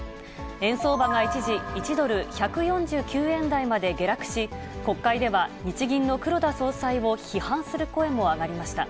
円相場が一時、１ドル１４９円台まで下落し、国会では日銀の黒田総裁を批判する声も上がりました。